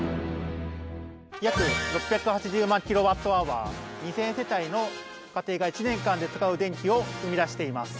約６８０万ｋＷｈ２，０００世帯の家庭が１年間で使う電気を生み出しています。